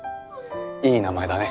いい名前だね。